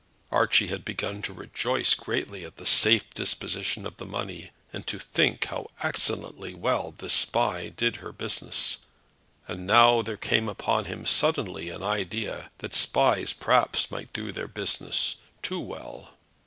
Archie had begun to rejoice greatly at the safe disposition of the money, and to think how excellently well this spy did her business; but now there came upon him suddenly an idea that spies perhaps might do their business too well.